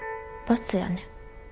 罰やねん。